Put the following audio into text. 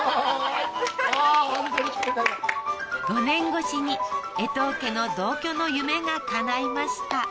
５年越しにえとう家の同居の夢がかないました